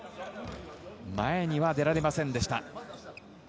前には出られませんでした。